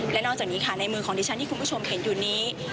และนอกจากนี้ค่ะในมือของดิฉันที่คุณผู้ชมเห็นอยู่นี้